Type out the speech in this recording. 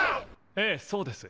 ええそうです。